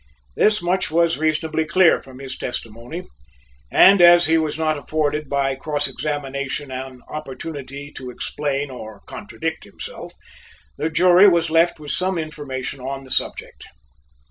This much was reasonably clear from his testimony, and as he was not afforded by cross examination an opportunity to explain or contradict himself, the jury was left with some information on the subject.